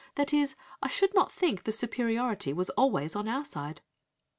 That is, I should not think the superiority was always on our side.'